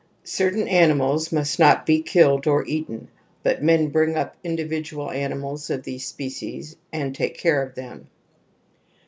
Certain animals must not be killed or eaten, but men bring up individual animals of these species and take care of them.